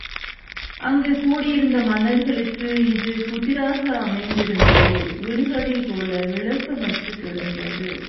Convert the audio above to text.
அங்குக் கூடியிருந்த மன்னர்களுக்கு இது புதிராக அமைந்திருந்தது விடுகதை போல விளக்கமற்றுக் கிடந்தது.